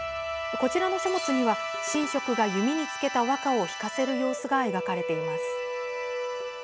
こちらの書物には神職が、弓につけた和歌を引かせる様子が描かれています。